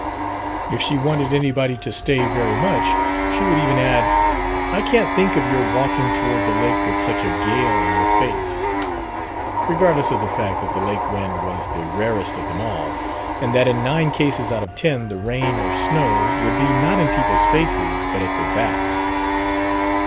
If she wanted anybody to stay very much, she would even add: "I can't think of your walking toward the lake with such a gale in your face," regardless of the fact that the lake wind was the rarest of them all and that in nine cases out of ten the rain or snow would be not in people's faces but at their backs.